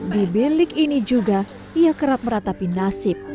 di bilik ini juga ia kerap meratapi nasib